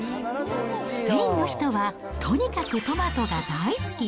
スペインの人はとにかくトマトが大好き。